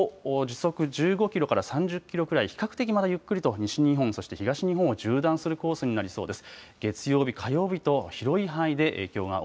その後、時速１５キロから３０キロくらい、比較的まだゆっくりと西日本、そして東日本を縦断するコースになりそうです。